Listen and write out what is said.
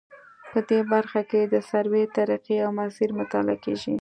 په دې برخه کې د سروې طریقې او مسیر مطالعه کیږي